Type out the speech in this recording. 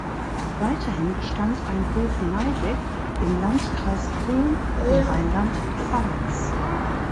Weiterhin bestand ein Hof Neideck im Landkreis Kulm in Rheinland-Pfalz.